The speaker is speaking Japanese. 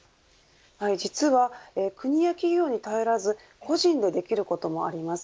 実は国や企業に頼らず個人でできることもあります。